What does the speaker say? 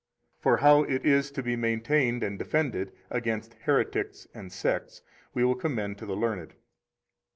For how it is to be maintained and defended against heretics and sects we will commend to the learned.